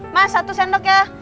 mas satu sendok ya